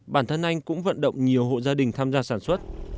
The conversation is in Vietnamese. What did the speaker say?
bản thân anh cũng vận động nhiều hộ gia đình tham gia sản xuất